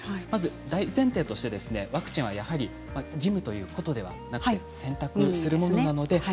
大前提としてワクチンはやはり義務ということではなく選択するものです。